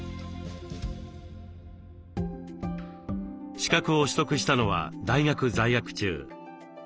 資格を取得したのは大学在学中。